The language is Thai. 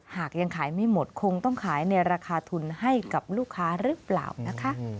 หากยังขายไม่หมดคงต้องขายในราคาทุนให้กับลูกค้าหรือเปล่านะคะ